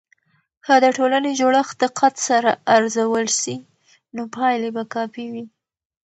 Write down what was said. که د ټولنې جوړښت دقت سره ارزول سي، نو پایلې به کافي وي.